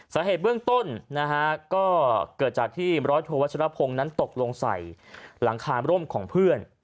สาเหตุเบื้องต้นนะฮะก็เกิดจากที่ร้อยโทวัชรพงศ์นั้นตกลงใส่หลังคาร่มของเพื่อน